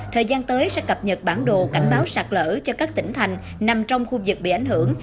thời gian tới sẽ cập nhật bản đồ cảnh báo sạt lở cho các tỉnh thành nằm trong khu vực bị ảnh hưởng